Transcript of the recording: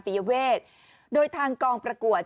เวกโดยทางกองประกวด